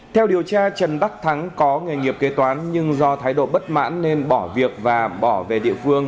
theo điều tra trần đắc thắng có nghề nghiệp kế toán nhưng do thái độ bất mãn nên bỏ việc và bỏ về địa phương